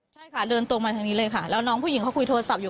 ใช่ค่ะเดินตรงมาทางนี้เลยค่ะแล้วน้องผู้หญิงเขาคุยโทรศัพท์อยู่